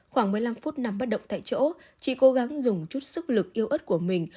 khoảng một mươi năm phút nằm bất động tại chỗ chị cố gắng dùng chút sức lực yêu ớt của mình